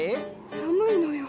寒いのよ。